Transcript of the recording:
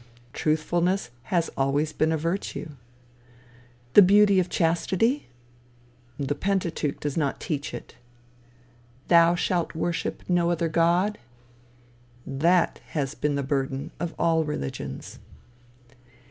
truthfulness has always been a virtue. The beauty of chastity? the Pentateuch does not teach it. Thou shalt worship no other God? that has been the burden of all religions.